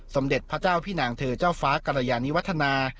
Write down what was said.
สมเด็จพระเจ้าพี่นางเธอเจ้าฟ้ากรยานิวัฒนา